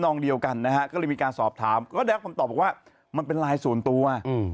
ก็เดี๋ยวความตอบเป็นว่ามันเป็นลายส่วนตัว